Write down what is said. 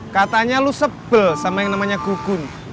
katanya lo sebel sama yang namanya gugun